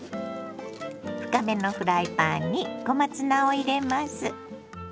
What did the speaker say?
深めのフライパンに小松菜を入れます。